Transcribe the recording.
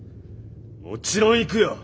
・もちろん行くよ！